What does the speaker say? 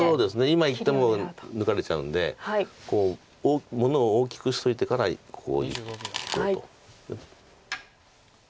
今いっても抜かれちゃうんで物を大きくしといてからコウいこうと。